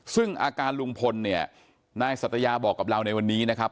ซึ่งอาการลุงพลเนี่ยนายสัตยาบอกกับเราในวันนี้นะครับ